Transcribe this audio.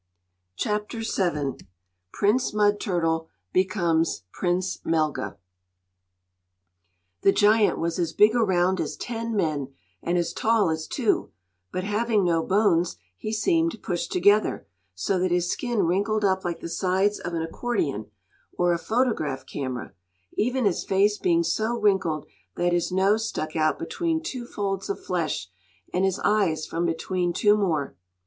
Chapter VII Prince Mud Turtle Becomes Prince Melga THE giant was as big around as ten men, and as tall as two; but, having no bones, he seemed pushed together, so that his skin wrinkled up like the sides of an accordeon, or a photograph camera, even his face being so wrinkled that his nose stuck out between two folds of flesh and his eyes from between two more.